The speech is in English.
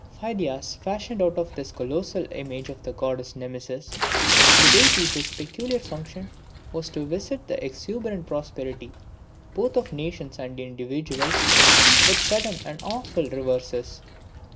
Phidias fashioned out of this a colossal image of the goddess Nemesis, the deity whose peculiar function was to visit the exuberant prosperity both of nations and individuals with sudden and awful reverses.